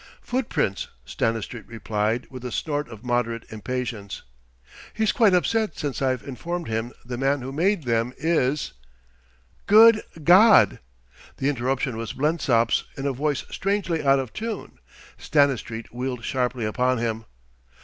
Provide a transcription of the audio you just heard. "Footprints," Stanistreet replied with a snort of moderate impatience. "He's quite upset since I've informed him the man who made them is " "Good God!" The interruption was Blensop's in a voice strangely out of tune. Stanistreet wheeled sharply upon him.